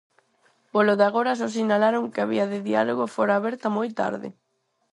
Polo de agora só sinalaron que a vía de diálogo fora aberta "moi tarde".